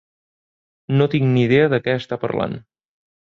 No tinc ni idea de què està parlant.